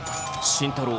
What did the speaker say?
慎太郎